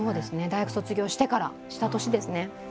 大学卒業してからした年ですね。